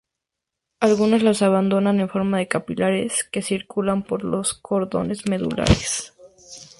Algunas las abandonan en forma de capilares que circulan por los cordones medulares.